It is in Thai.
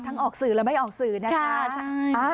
ทั้งออกสื่อและไม่ออกสื่อนะคะค่ะใช่อ่า